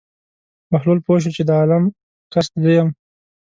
بهلول پوه شو چې د عالم قصد زه یم.